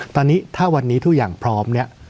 ตอนนี้ถ้าวันนี้ทุกอย่างพร้อมเนี่ย